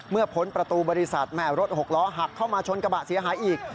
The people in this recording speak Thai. พ้นประตูบริษัทแม่รถหกล้อหักเข้ามาชนกระบะเสียหายอีก